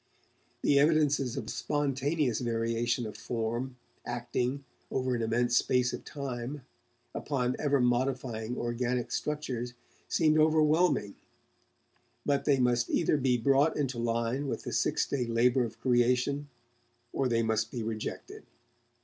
The evidences of spontaneous variation of form, acting, over an immense space of time, upon ever modifying organic structures, seemed overwhelming, but they must either be brought into line with the six day labour of creation, or they must be rejected.